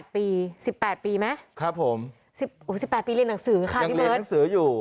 ๘ปี๑๘ปีไหม๑๘ปีเล่นหนังสือยังเล่นหนังสืออยู่